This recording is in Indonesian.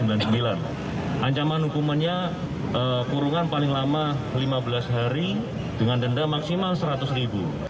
ancaman hukumannya kurungan paling lama lima belas hari dengan denda maksimal seratus ribu